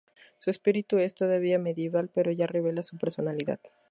Su espíritu es todavía medieval pero ya revela su personalidad.